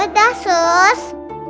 eh udah sus